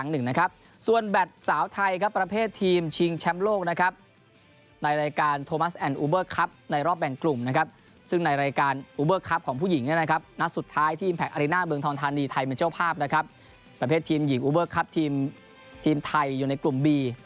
เจ้าภาพนะครับประเภททีมหญิงอูเบอร์คัปทีมทีมไทยอยู่ในกลุ่มบี